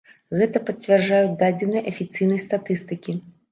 Гэта пацвярджаюць дадзеныя афіцыйнай статыстыкі.